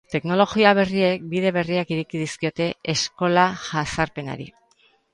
Teknologia berriek bide berriak ireki dizkiote eskola jazarpenari.